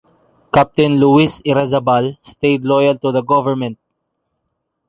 Captain Luis Irrazábal stayed loyal to the government.